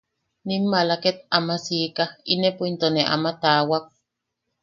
Nim maala ket ama sika, inepo into ne ama taawak.